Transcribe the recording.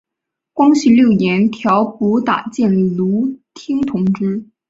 光绪六年调补打箭炉厅同知。